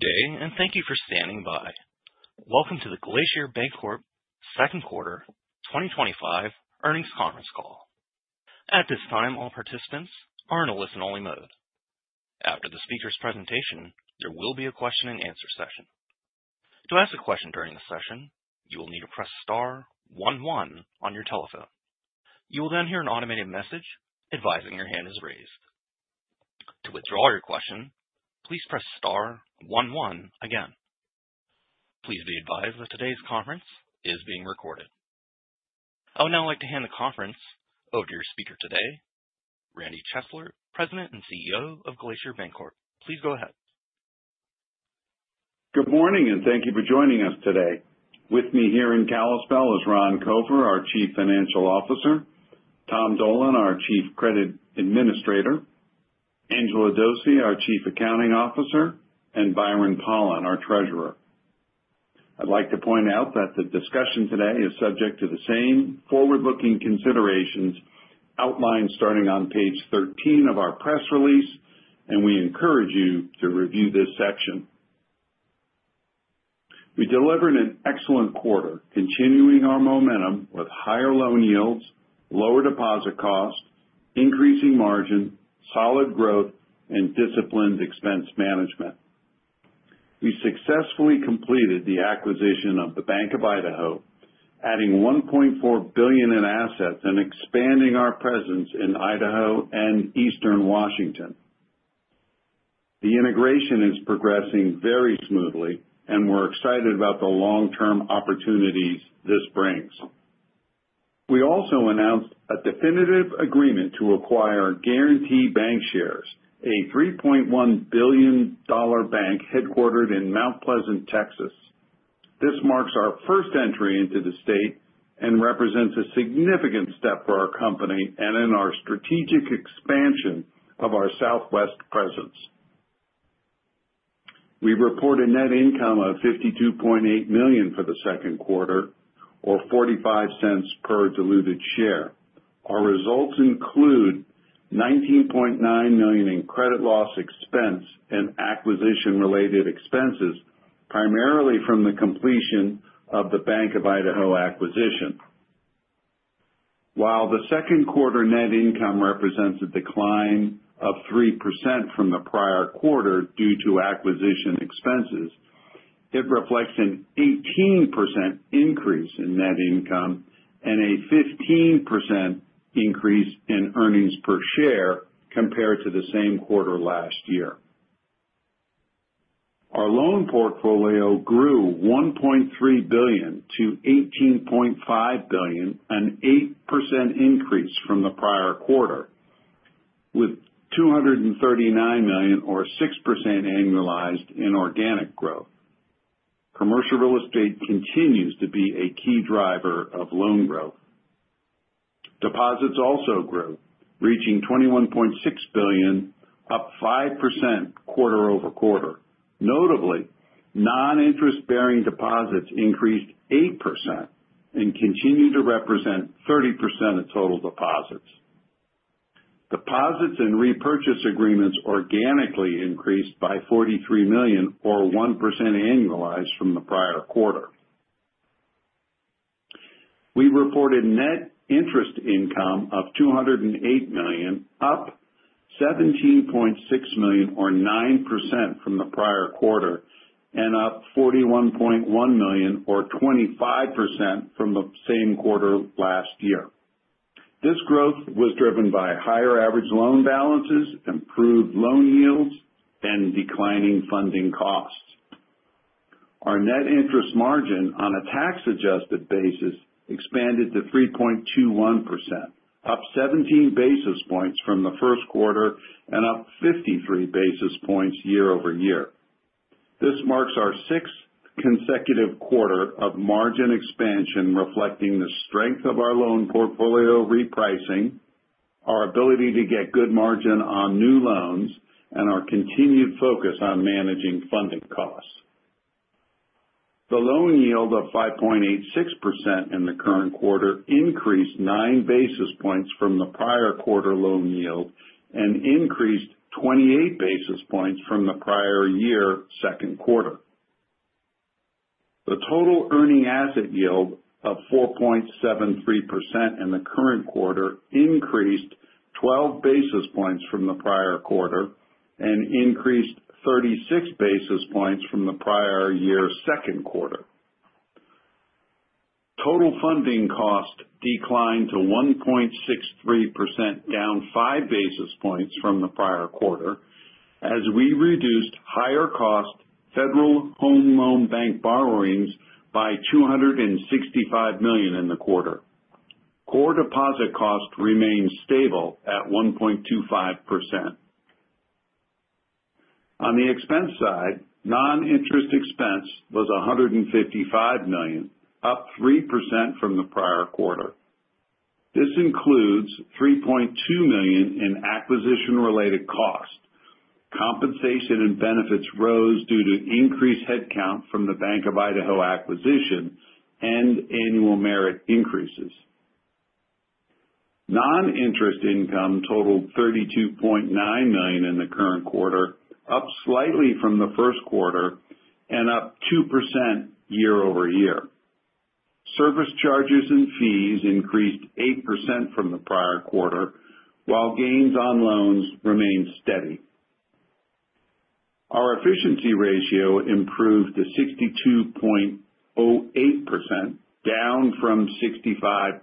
Good day and thank you for standing by. Welcome to the Glacier Bancorp second quarter 2025 earnings conference call. At this time, all participants are in a listen-only mode. After the speaker's presentation, there will be a question and answer session. To ask a question during the session, you will need to press star one one on your telephone. You will then hear an automated message advising your hand is raised. To withdraw your question, please press star one one again. Please be advised that today's conference is being recorded. I would now like to hand the. Conference over to your speaker today, Randy Chesler, President and CEO of Glacier Bancorp. Please go ahead. Good morning and thank you for joining us today. With me here in Kalispell is Ron Copher, our Chief Financial Officer, Tom Dolan, our Chief Credit Administrator, Angela Dossey, our Chief Accounting Officer, and Byron Pollan, our Treasurer. I'd like to point out that the discussion today is subject to the same forward-looking considerations outlined starting on page 13 of our press release, and we encourage you to review this section. We delivered an excellent quarter, continuing our momentum with higher loan yields, lower deposit cost, increasing margin, solid growth, and disciplined expense management. We successfully completed the acquisition of Bank of Idaho, adding $1.4 billion in assets and expanding our presence in Idaho and Eastern Washington. The integration is progressing very smoothly, and we're excited about the long-term opportunities this brings. We also announced a definitive agreement to acquire Guaranty Bancshares, a $3.1 billion bank headquartered in Mount Pleasant, Texas. This marks our first entry into the state and represents a significant step for our company and in our strategic expansion of our Southwest presence. We reported net income of $52.8 million for the second quarter, or $0.45 per diluted share. Our results include $19.9 million in credit loss expense and acquisition-related expenses, primarily from the completion of the Bank of Idaho acquisition. While the second quarter net income represents a decline of 3% from the prior quarter due to acquisition expenses, it reflects an 18% increase in net income and a 15% increase in earnings per share compared to the same quarter last year. Our loan portfolio grew $1.3 billion to $18.5 billion, an 8% increase from the prior quarter, with $239 million or 6% annualized in organic growth. Commercial real estate continues to be a key driver of loan growth. Deposits also grew, reaching $21.6 billion, up 5% quarter over quarter. Notably, noninterest-bearing deposits increased 8% and continue to represent 30% of total deposits. Deposits and repurchase agreements organically increased by $43 million or 1% annualized from the prior quarter. We reported net interest income of $208 million, up $17.6 million or 9% from the prior quarter and up $41.1 million or 25% from the same quarter last year. This growth was driven by higher average loan balances, improved loan yields, and declining funding costs. Our net interest margin on a tax-adjusted basis expanded to 3.21%, up 17 basis points from the first quarter and up 53 basis points year-over-year. This marks our sixth consecutive quarter of margin expansion, reflecting the strength of our loan portfolio repricing, our ability to get good margin on new loans, and our continued focus on managing funding costs. The loan yield of 5.86% in the current quarter increased 9 basis points from the prior quarter loan yield and increased 28 basis points from the prior year. In the second quarter, the total earning asset yield of 4.73% in the current quarter increased 12 basis points from the prior quarter and increased 36 basis points from the prior year. Second quarter total funding cost declined to 1.63%, down 5 basis points from the prior quarter as we reduced higher-cost Federal Home Loan Bank borrowings by $265 million in the quarter. Core deposit cost remained stable at 1.25%. On the expense side, noninterest expense was $155 million, up 3% from the prior quarter. This includes $3.2 million in acquisition-related cost. Compensation and benefits rose due to increased headcount from the Bank of Idaho acquisition and annual merit increases. Noninterest income totaled $32.9 million in the current quarter, up slightly from the first quarter and up 2% year-over-year. Service charges and fees increased 8% from the prior quarter while gains on loans remained steady. Our efficiency ratio improved to 62.08%, down from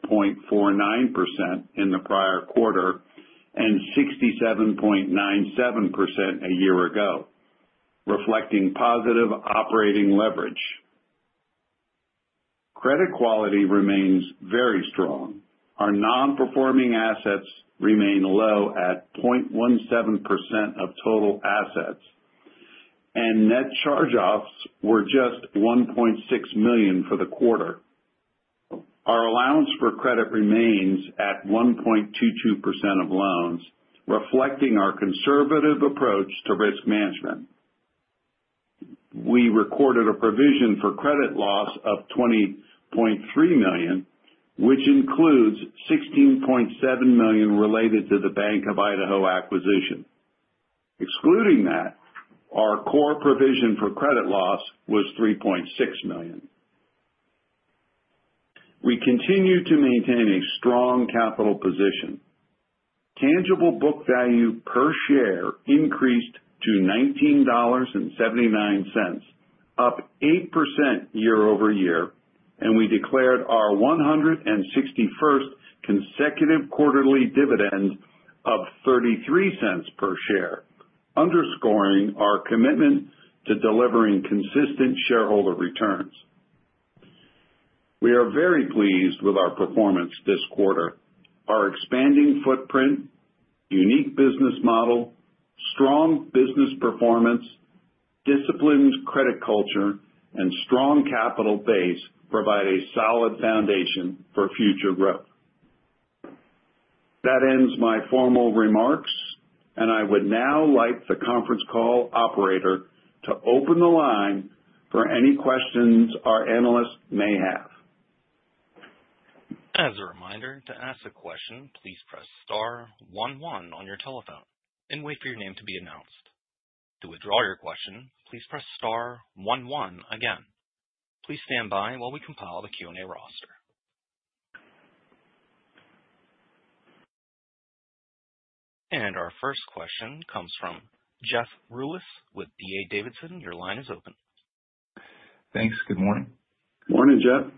65.49% in the prior quarter and 67.97% a year ago, reflecting positive operating leverage. Credit quality remains very strong. Our nonperforming assets remain low at 0.17% of total assets and net charge-offs were just $1.6 million for the quarter. Our allowance for credit losses remains at 1.22% of loans, reflecting our conservative approach to risk management. We recorded a provision for credit loss of $20.3 million, which includes $16.7 million related to the Bank of Idaho. acquisition. Excluding that, our core provision for credit loss was $3.6 million. We continue to maintain a strong capital position. Tangible book value per share increased to $19.79, up 8% year-over-year, and we declared our 161st consecutive quarterly dividend of $0.33 per share, underscoring our commitment to delivering consistent shareholder returns. We are very pleased with our performance this quarter. Our expanding footprint, unique business model, strong business performance, disciplined credit culture, and strong capital base provide a solid foundation for future growth. That ends my formal remarks, and I would now like the conference call operator to open the line for any questions our analysts may have. As a reminder to ask a question, please press star one one on your telephone and wait for your name to be announced. To withdraw your question, please press star one one again. Please stand by while we compile the Q and A roster. Our first question comes from Jeff Rulis with D.A. Davidson. Your line is open. Thanks. Good morning. Morning Jeff.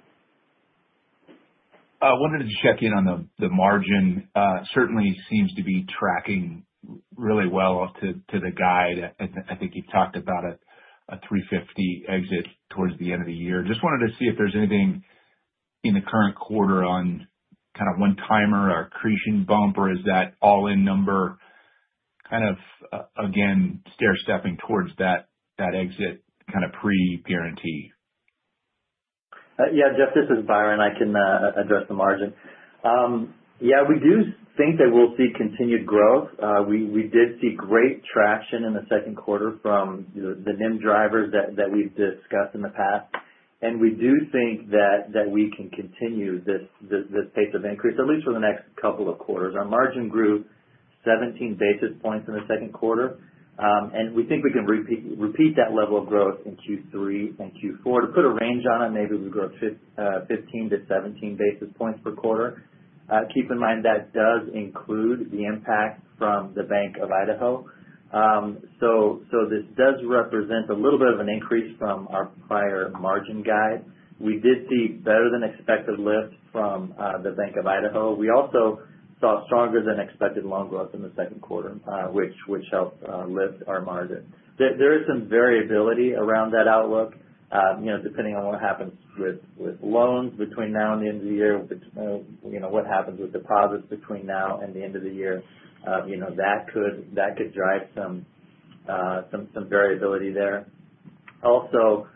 I wanted to check in on the margin. Certainly seems to be tracking really well to the guide. I think you've talked about it, a 3.50% exit towards the end of the year. Just wanted to see if there's anything in the current quarter on kind of one-timer or accretion bump, or is that all-in number kind of again stair stepping towards that exit, kind of pre-Guaranty. Yes Jeff, this is Byron. I can address the margin. Yes, we do think that we'll see continued growth. We did see great traction in the second quarter from the NIM drivers that we've discussed in the past and we do think that we can continue this pace of increase at least for the next couple of quarters. Our margin grew 17 basis points in the second quarter and we think we can repeat that level of growth in Q3 and Q4. To put a range on it, maybe we grow 15 to 17 basis points per quarter. Keep in mind that does include the impact from the Bank of Idaho. This does represent a little bit of an increase from our prior margin guide. We did see better than expected lift from the Bank of Idaho. We also saw stronger than expected loan growth in the second quarter which helped lift our margin. There is some variability around that outlook depending on what happens with loans between now and the end of the year. What happens with deposits between now and the end of the year could drive some variability there. Also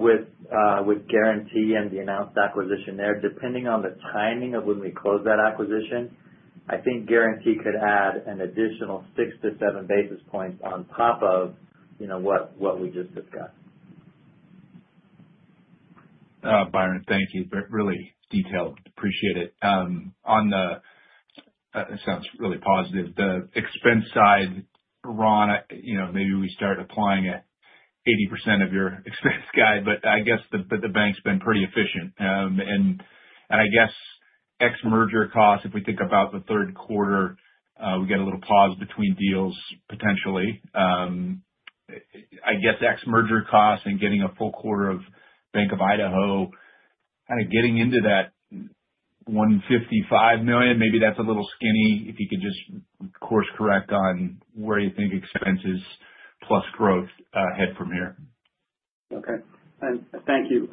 with Guaranty and the announced acquisition there, depending on the timing of when we close that acquisition, I think Guaranty could add an additional 6 to 7 basis points on top of what we just discussed. Byron, thank you. Really detailed. Appreciate it. It sounds really positive on the expense side, Ron. You know, maybe we start applying at 80% of your expense guide, but I guess the bank's been pretty efficient. I guess, ex merger costs, if we. Think about the third quarter, we get a little pause between deals potentially, I guess, ex merger costs and getting a full quarter of Bank of Idaho, kind of getting into that $155 million. Maybe that's a little skinny. If you could just course correct on where you think expenses plus growth head from here. Okay, thank you.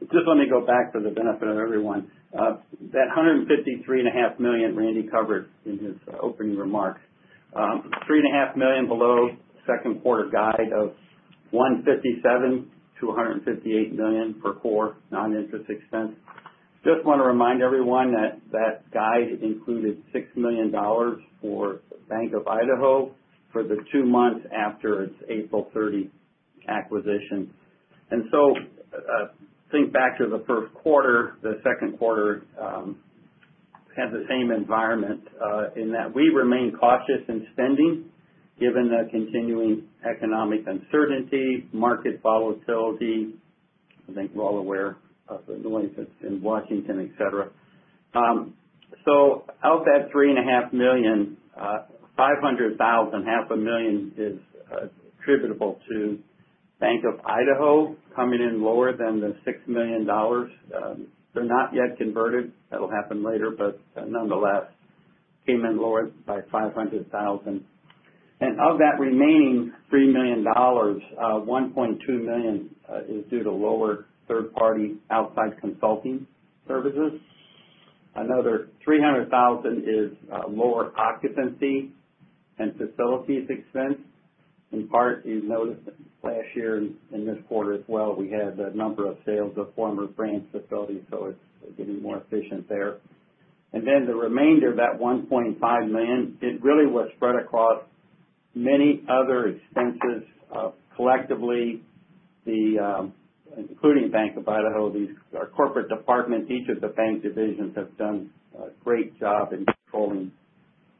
Just let me go back for the benefit of everyone that $153.5 million Randy covered in his opening remarks, $3.5 million below second quarter guide of $157 million-$158 million for core noninterest expense. Just want to remind everyone that that guide included $6 million for Bank of Idaho for the two months after its April 30 acquisition. Think back to the first quarter, the second quarter had the same environment in that we remain cautious in spending given the continuing economic uncertainty, market volatility. I think we're all aware of the noise in Washington, etc. Of that $3.5 million, $500,000, half a million, is attributable to Bank of Idaho coming in lower than the $6 million. They're not yet converted. That will happen later, but nonetheless came in lower by $500,000. Of that remaining $3 million, $1.2 million is due to lower third party outside consulting services. Another $300,000 is lower occupancy and facilities expense. In part you noticed last year in. This quarter as well, we had the. Number of sales of former branch facilities. It's getting more efficient there. The remainder of that $1.5 million was really spread across many other expenses. Collectively, including Bank of Idaho, our Corporate Department, each of the bank divisions have done a great job in controlling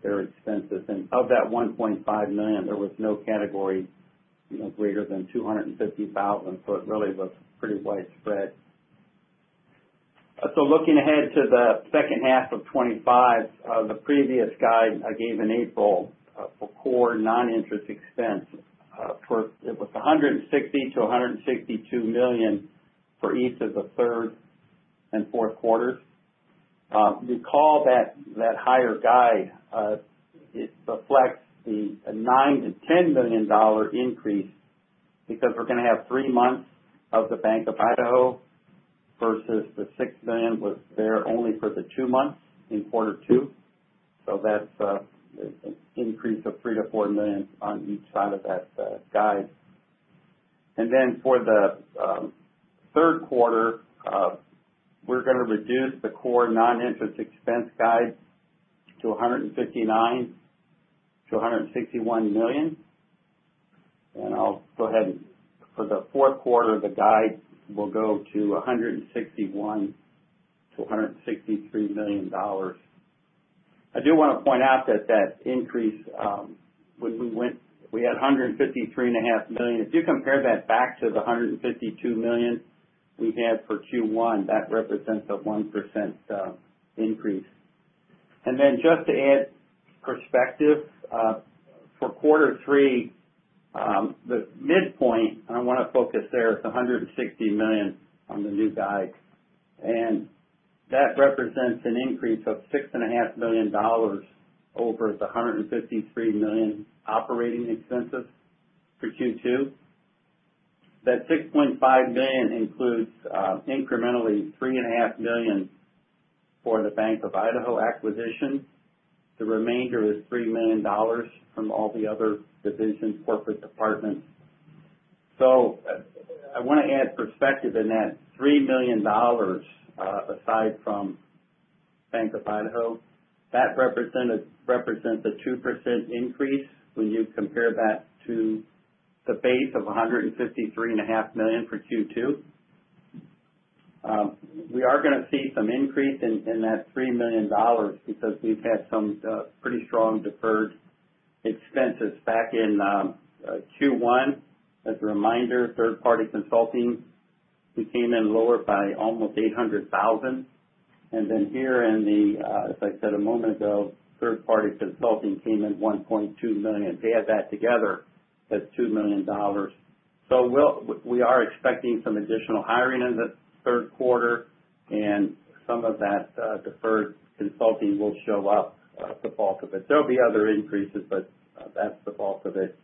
their expenses. Of that $1.5 million, there was no category greater than $250,000. It really was pretty widespread. Looking ahead to the second half of 2025, the previous guide I gave in April for core noninterest expense was $160 million-$162 million for each of the third and fourth quarters. Recall that higher guide reflects the $9 million-$10 million increase because we're going to have three months of the Bank of Idaho versus the $6 million that was there only for the two months in quarter two. That's an increase of $3 million to $4 million on each side of that guide. For the third quarter, we're going to reduce the core noninterest expense guide to $159 to $161 million. For the fourth quarter, the guide will go to $161 to $163 million. I do want to point out that increase. We had $153.5 million. If you compare that back to the $152 million we had for Q1, that represents a 1% increase. Just to add perspective for quarter three, the midpoint I want to focus on is $160 million on the new guide. That represents an increase of $6.5 million over the $153 million operating expenses for Q2. That $6.5 million includes incrementally $3.5 million for the Bank of Idaho acquisition. The remainder is $3 million from all the other division Corporate Departments. I want to add perspective in that $3 million. Aside from Bank of Idaho, that represents a 2% increase when you compare that to the base of $153.5 million for Q2. We are. Going to see some increase in that $3 million because we've had some pretty strong deferred expenses. Back in Q1, as a reminder, third party consulting came in lower by almost $800,000. Here, as I said a moment ago, third party consulting came in $1.2 million. Add that together, $2 million. We are expecting some additional hiring in the third quarter and some of that deferred consulting will show up, the bulk of it. There will be other increases, but that's. The bulk of it.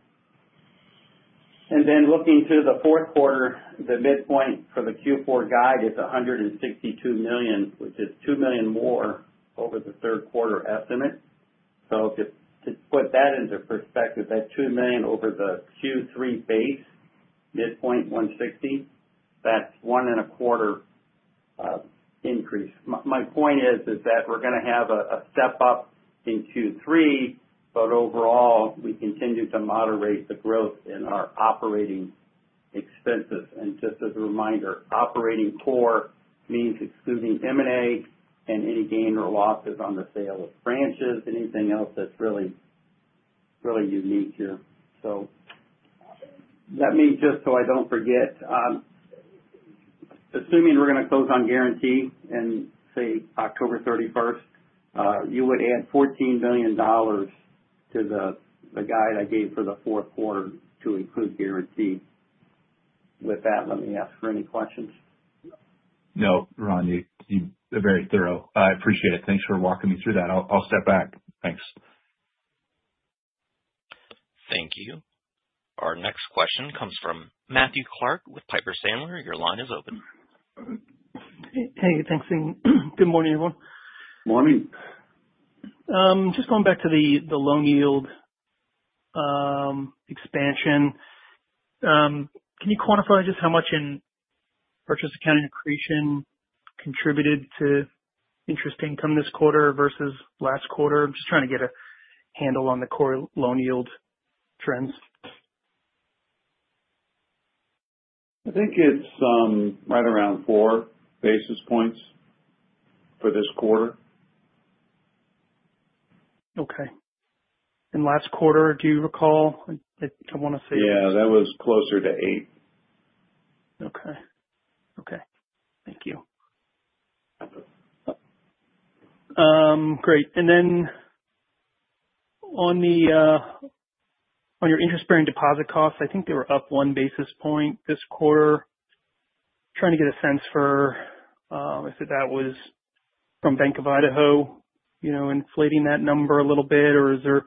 Looking to the fourth quarter, the midpoint for the Q4 guide is $162 million, which is $2 million more. Over the third quarter estimate. To put that into perspective, that $2 million over the Q3 base midpoint, $160 million, that's a 1.25% increase. My point is that we're going to have a step up in Q3, but overall we continue to moderate the growth in our operating expenses. Just as a reminder, operating core means it's including M&A and any gain or losses on the sale of branches, anything else that's really unique here. Let me just so I don't forget, assuming we're going to close on Guaranty and say October 31st, you would add $14 million to the guide I gave for the fourth quarter to include Guaranty. With that, let me ask for any questions. No, Ron, very thorough. I appreciate it. Thanks for walking me through that. I'll step back. Thank you. Our next question comes from Matthew Clark with Piper Sandler. Your line is open. Hey, thanks. Good morning, everyone. Good morning. Just going back to the loan yield expansion, can you quantify just how much in purchase accounting accretion contributed to interest income this quarter versus last quarter? I'm just trying to get a handle on the core loan yield trends. I think it's right around 4 basis points for this quarter. Okay. Last quarter, do you recall? Yeah, that was closer to eight. Okay, thank you. Great. On your interest-bearing deposit costs, I think they were up one basis point this quarter. Trying to get a sense for if that was from Bank of Idaho inflating that number a little bit or if there is.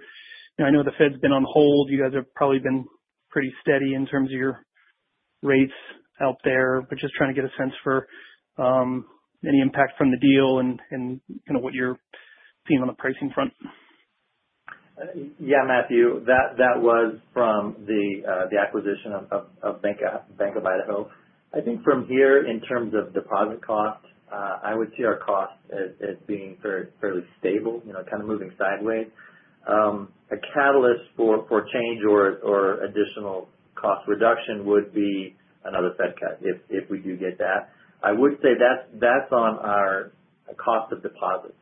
I know the Fed been on hold. You guys have probably been pretty steady in terms of your rates out there, just trying to get a sense for any impact from the deal and what you're seeing on the pricing front. Yeah, Matthew, that was from the acquisition of Bank of Idaho. I think from here, in terms of deposit cost, I would see our cost as being fairly stable, kind of moving sideways. A catalyst for change or additional cost reduction would be another Fed cut. If we do get that, I would say that's on our cost of deposits.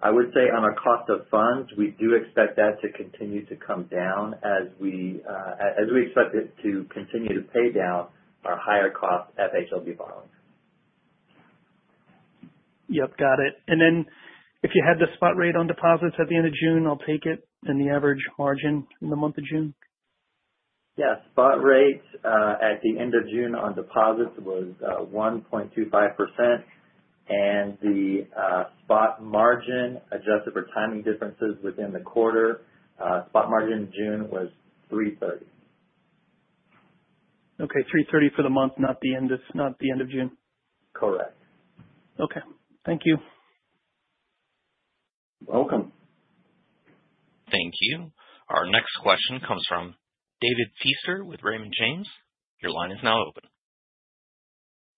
I would say on our cost of funds, we do expect that to continue to come down as we expect it to continue to pay down our higher cost FHLB borrowings. Got it. If you had the spot. Rate on deposits at the end of June. I'll take it. What was the average margin in the month of June? Yes spot rate at the end of June on deposits was 1.25%. The spot margin, adjusted for timing differences within the quarter, spot margin in June was $330 million. Okay, $330 million for the month, not the end of June. Correct. Okay, thank you. Welcome. Thank you. Our next question comes from David Feaster with Raymond James & Associates Inc.Your line is now open.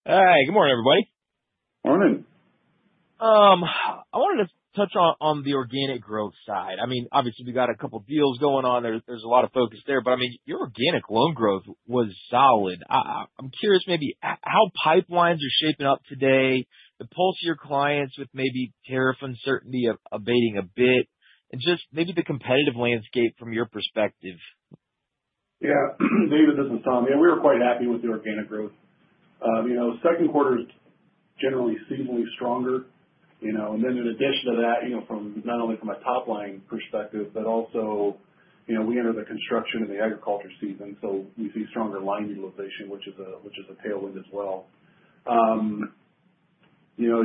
Hey, good morning, everybody. Morning. I wanted to touch on the organic growth side. Obviously, we got a couple deals going on. There's a lot of focus there, but your organic loan growth was solid. I'm curious maybe how pipelines are shaping up today, the pulse of your clients with maybe tariff uncertainty abating a bit, and just maybe the competitive landscape from your perspective. Yeah, David, this is Tom. We were quite happy with the organic growth. You know, second quarter is generally seasonally stronger. In addition to that, not. Only from a top line perspective, but also we enter the construction and the agriculture season, we see stronger line utilization, which is a tailwind as well. As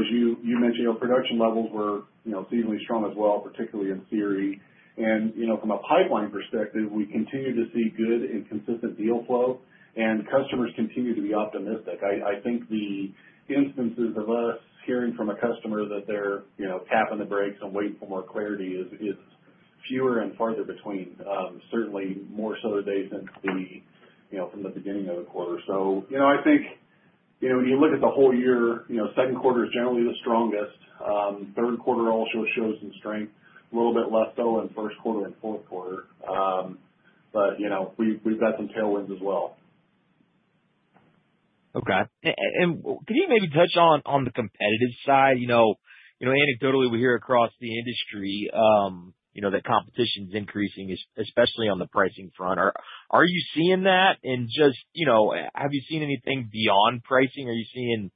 you mentioned, production levels were seasonally strong as well, particularly in theory. From a pipeline perspective, we continue to see good and consistent deal flow, and customers continue to be optimistic. I think the instances of us hearing. From a customer that they're tapping the brakes and waiting for more clarity. Fewer and farther between. Certainly more so today than from the beginning of the quarter. I think when you look at the whole year, second quarter is generally the strongest. Third quarter also shows some strength, a little bit less so in first quarter and fourth quarter. We've got some tailwinds as well. Okay, can you maybe touch on the competitive side? Anecdotally, we hear across the industry that competition is increasing, especially on the pricing front. Are you seeing that, and have you seen anything beyond pricing? Are you seeing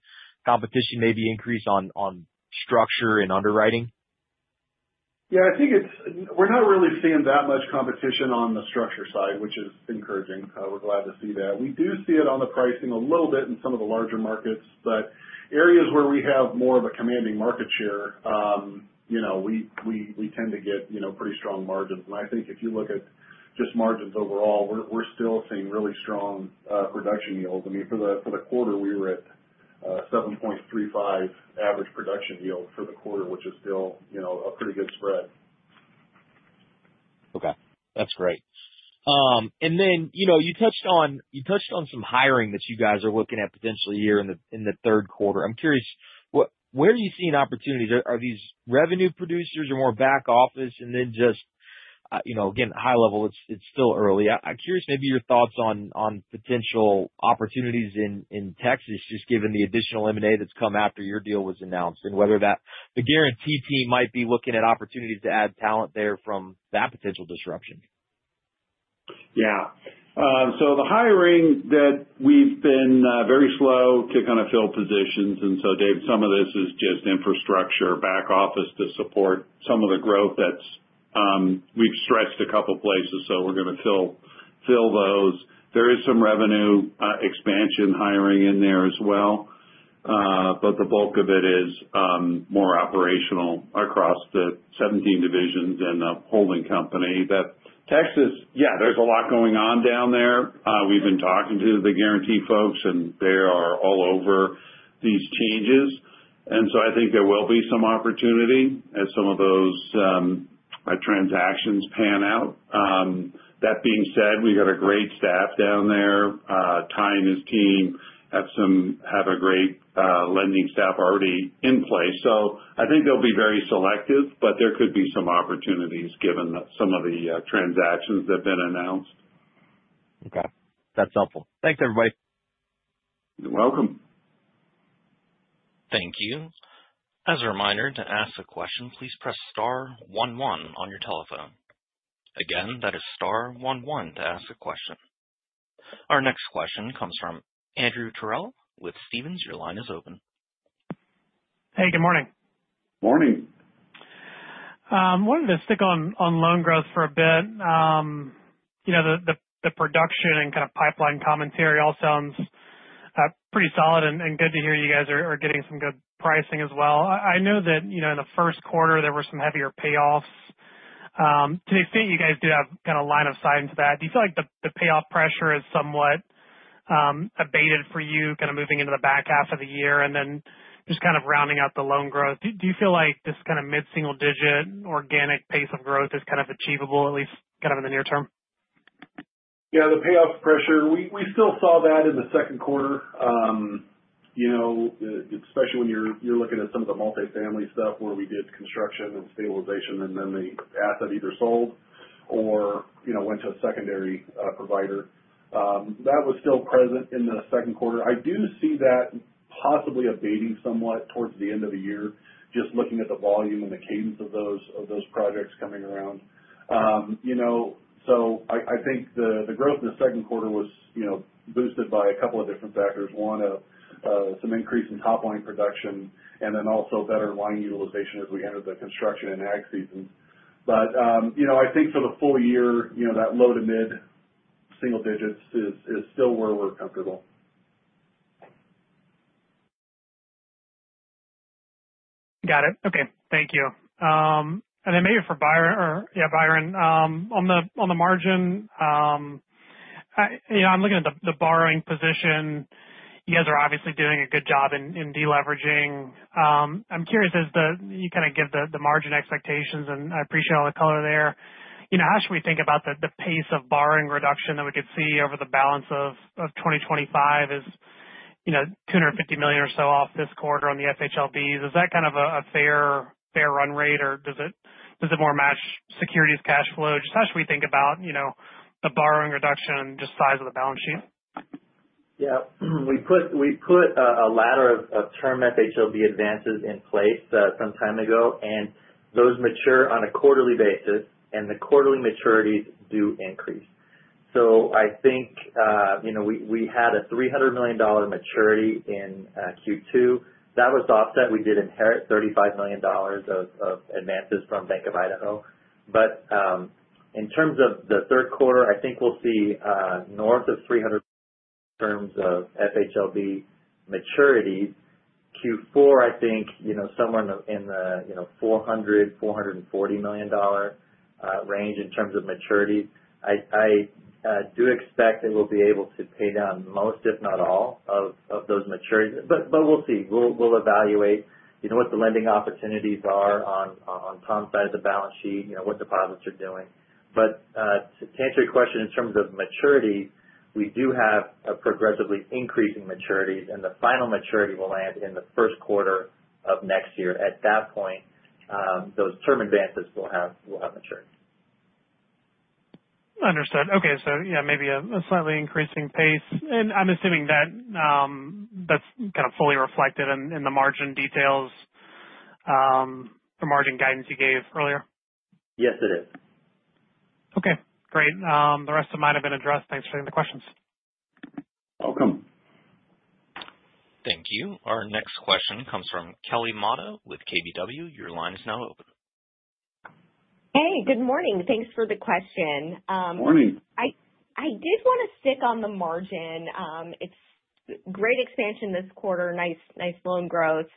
competition maybe increase on structure and underwriting? Yes, I think it is. We're not really seeing that much competition on the structure side, which is encouraging. We're glad to see that. We do see it on the pricing a little bit in some of the larger markets, but areas where we have more of a commanding market share. We tend to get pretty strong margins. If you look at just margins overall, we're still seeing really strong production yields. I mean, for the quarter we were at 7.35% average production yield for the quarter, which is still a pretty good spread. Okay, that's great. You touched on some hiring that you guys are looking at potentially here in the third quarter. I'm curious, where are you seeing opportunities? Are these revenue producers or more back office, and then just again high level, it's still early. I'm curious maybe your thoughts on potential opportunities in Texas just given the additional M&A that's come after your deal with announced and whether the Guaranty team might be looking at opportunities to add talent there from that potential disruption. Yeah, the hiring that we've been. Very slow to kind of fill positions, and so Dave, some of this is just infrastructure back office to support some of the growth that's. We've stretched a couple places, so we're going to fill those. There is some revenue expansion hiring in there as well, but the bulk of it is more operational across the 17 divisions in the holding company that Texas. Yeah, there's a lot going on down there. We've been talking to the Guaranty folks, and they are all over these changes, and so I think there will be some opportunity as some of those transactions pan out. That being said, we've got a great staff down there. Ty and his team have a great lending staff already in place. I think they'll be very selective. There could be some opportunities given some of the transactions that have been announced. Okay, that's helpful. Thanks, everybody. You're welcome. Thank you. As a reminder, to ask a question, please press star one one on your telephone. Again, that is star one one to ask a question. Our next question comes from Andrew Terrell with Stephens. Your line is open. Hey, good morning. Morning. Wanted to stick on loan growth for a bit. The production and kind of pipeline commentary all sounds pretty solid and good to hear. You guys are getting some good pricing as well. I know that in the first quarter there were some heavier payoffs. To the extent you guys do have kind of line of sight into that, do you feel like the payoff pressure is somewhat abated for you, kind of moving into the back half of the year? Just kind of rounding out the loan growth, do you feel like this kind of mid single digit organic pace of growth is kind of achievable at least in the near term? Yeah, the payoff pressure, we still saw that in the second quarter. Especially when you're looking at some of the multifamily stuff where we did construction and stabilization, and then the asset either sold or went to a secondary provider, that was still present in the second quarter. I do see that possibly abating somewhat towards the end of the year, just looking at the volume and the cadence of those projects coming around. I think the growth in the second quarter was boosted by a couple of different factors: one, some increase in top line production, and then also better line utilization as we entered the construction and agc. I think for the full year, that low to mid single digits is still where we're comfortable. Got it. Okay, thank you. Maybe for the margin. I'm. Looking at the borrowing position, you guys are obviously doing a good job in deleveraging. I'm curious as you kind of give the margin expectations, and I appreciate all the color there. How should we think about the pace of borrowing reduction that we could see over the balance of 2025? Is $250 million or so off this quarter on the FHLB advances, is that kind of a fair run rate, or does it more match securities cash flow? Just how should we think about the borrowing reduction, just size of the balance sheet? Yeah, we put a ladder of term FHLB advances in place some time ago, and those mature on a quarterly basis, and the quarterly maturities do increase. I think we had a $300 million maturity in Q2 that was offset. We did inherit $35 million of advances from Bank of Idaho. In terms of the third quarter, I think we'll see north of $300 million. In terms of FHLB maturity, Q4, I think somewhere in the $400 million-$440 million range. In terms of maturities, I do expect that we'll be able to pay down most, if not all, of those maturities. We'll evaluate what the lending opportunities are on Tom's side of the balance sheet, what deposits are doing. To answer your question, in terms of maturity, we do have progressively increasing maturities, and the final maturity will land in the first quarter of next year. At that point, those term advances will have matured. Understood. Okay, maybe a slightly increasing pace, and I'm assuming that's kind of fully reflected in the margin details, the margin guidance you gave earlier. Yes, it is. Okay, great. The rest of mine have been addressed. Thanks for taking the questions. Welcome. Thank you. Our next question comes from Kelly Motta with KBW. Your line is now open. Hey, good morning. Thanks for the question. Morning. I did want to stick on the margin. It's great expansion this quarter. Nice, nice loan growth.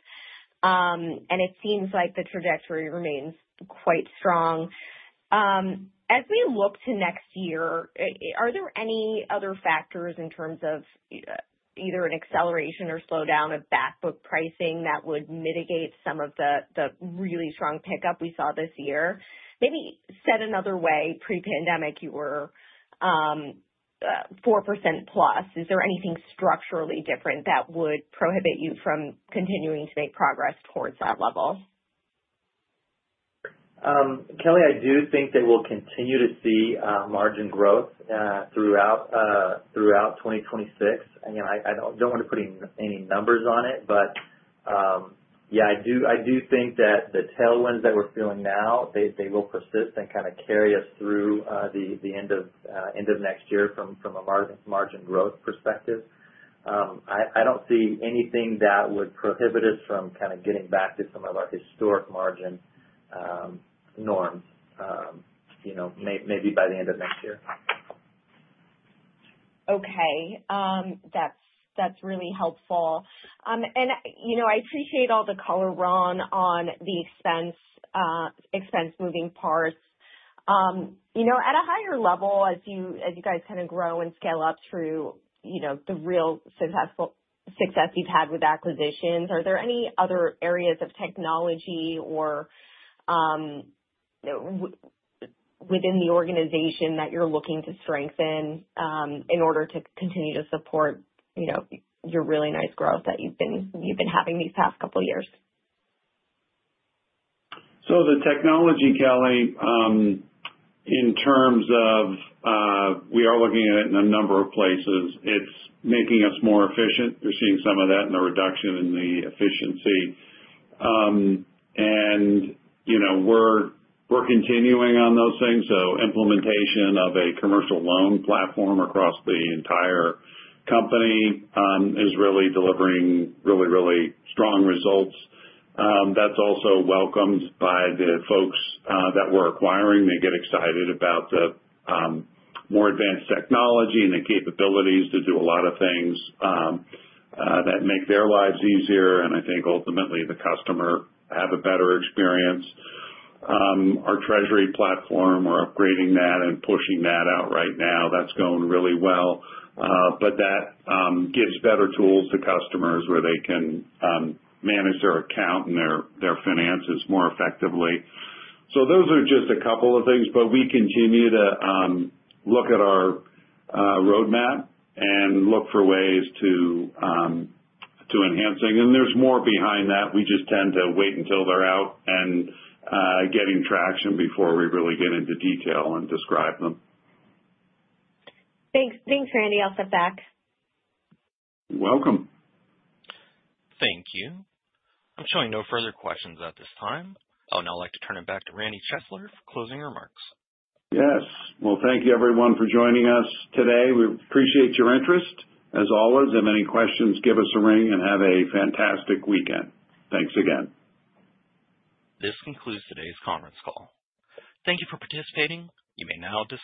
It seems like the trajectory remains quite strong as we look to next year. Are there any other factors in terms of either an acceleration or slowdown of back book pricing that would mitigate some of the really strong pickup we saw this year? Maybe said another way, pre-pandemic, you were 4% plus. Is there anything structurally different that would prohibit you from continuing to make progress towards that level? Kelly, I do think that we'll continue to see margin growth throughout 2026. I don't want to put any numbers on it, but yes, I do think that the tailwinds that we're feeling now will persist and kind of carry us through the end of next year. From a margin growth perspective, I don't see anything that would prohibit us from kind of getting back to some of our historic margin norms maybe by the end of next year. Okay, that's really helpful and I appreciate all the color. Ron, on the expense moving parts at a higher level, as you guys kind of grow and scale up through the real success you've had with acquisitions, are there any other areas of technology or within the organization that you're looking to strengthen in order to continue to support your really nice growth that you've been having these past couple years? The technology, Kelly, in terms of, we are looking at it in a number of places. It's making us more efficient. You're seeing some of that in the reduction in the efficiency. You know. We're continuing on those things. Implementation of a commercial loan platform across the entire company is really delivering really, really strong results. That's also welcomed by the folks that we're acquiring. They get excited about the more advanced technology and the capabilities to do a lot of things that make their lives easier. I think ultimately the customer has a better experience. Our treasury platform, we're upgrading that and pushing that out right now. That's going really well. That gives better tools to customers where they can manage their account and their finances more effectively. Those are just a couple of things. We continue to look at our roadmap and look for ways to enhance things. There's more behind that. We just tend to wait until they're out and getting traction before we really get into detail and describe them. Thanks, Randy. I'll step back. Welcome. Thank you. I'm showing no further questions at this time. I would now like to turn it back to Randy Chesler for closing remarks. Thank you everyone for joining us today. We appreciate your interest, as always. If you have any questions, give us a ring and have a fantastic weekend. Thanks again. This concludes today's conference call. Thank you for participating. You may now disconnect.